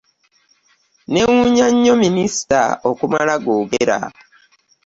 Nneewuunya nnyo minisita okumala googera.